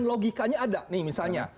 logikanya ada nih misalnya